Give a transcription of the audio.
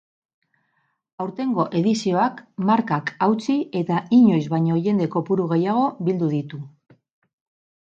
Aurtengo edizioak markak hautsi eta inoiz baino jende kopuru gehiago bildu ditu.